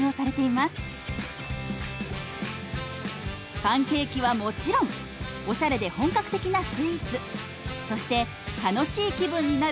パンケーキはもちろんおしゃれで本格的なスイーツそして楽しい気分になる